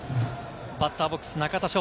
バッターボックス、中田翔。